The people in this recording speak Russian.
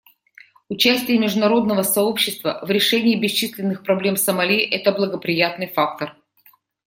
Участие международного сообщества в решении бесчисленных проблем Сомали — это благоприятный фактор.